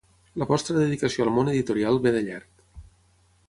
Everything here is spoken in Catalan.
La vostra dedicació al món editorial ve de llarg.